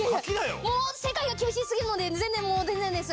もう世界が厳しすぎるので、全然もう、全然ですよ。